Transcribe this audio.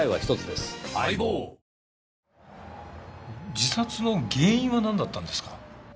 自殺の原因はなんだったんですか？